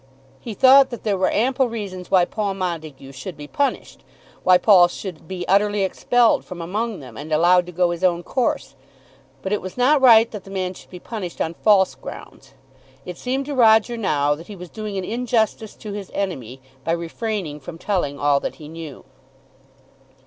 He thought that there were ample reasons why Paul Montague should be punished, why Paul should be utterly expelled from among them, and allowed to go his own course. But it was not right that the man should be punished on false grounds. It seemed to Roger now that he was doing an injustice to his enemy by refraining from telling all that he knew.